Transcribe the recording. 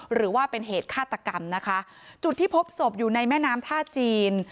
หรือว่าเป็นเหตุฆาตกรรมนะคะจุดที่พบศพอยู่ในแม่น้ำท่าจีน